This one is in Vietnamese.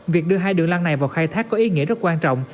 việc đưa hai đường lăng này vào khai thác có ý nghĩa rất quan trọng